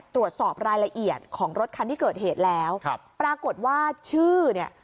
ตรวจสอบรายละเอียดของรถคันที่เกิดเหตุแล้วครับปรากฏว่าชื่อเนี่ย